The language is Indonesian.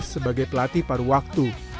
sebagai pelatih paru waktu